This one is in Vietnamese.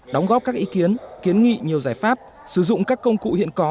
đóng góp các ý kiến kiến nghị nhiều giải pháp sử dụng các công cụ hiện có